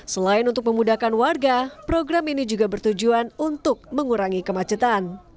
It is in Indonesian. selain untuk memudahkan warga program ini juga bertujuan untuk mengurangi kemacetan